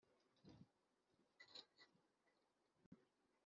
abashyingiranywe babanye amezi cumi